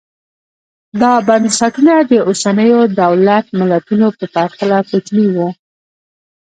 دا بنسټونه د اوسنیو دولت ملتونو په پرتله کوچني وو